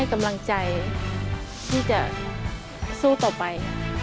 กำลังใจที่จะสู้ต่อไป